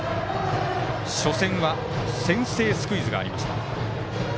初戦は先制スクイズがありました。